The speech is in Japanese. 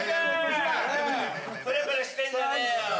プルプルしてんじゃねえよ。